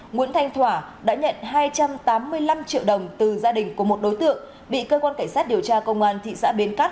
nguyễn thanh thỏa đã nhận hai trăm tám mươi năm triệu đồng từ gia đình của một đối tượng bị cơ quan cảnh sát điều tra công an thị xã bến cát